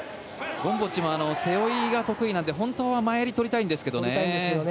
ゴムボッチも背負いが得意なので本当は前襟を取りたいんですけどね。